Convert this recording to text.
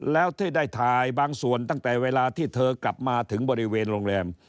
แล้วที่ได้ถ่ายบางส่วนตั้งแต่เวลาที่เธอกลับมาถึงบริเวณโรงแรม